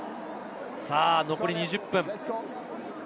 残り２０分。